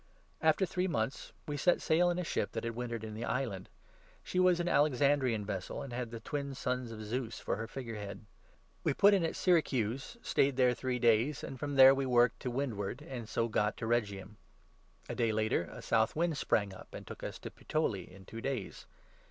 Paul's vo age After three months, we set sail in a ship that n to Rome had wintered in the island. She was an Alexan continued. dr;an vessel, and had the Twin Sons of Zeus for her figure head. We put in at Syracuse and stayed there three 12 days, and from there we worked to windward and so got to 13 Rhegium. A day later a south wind sprang up and took us to Puteoli in two days.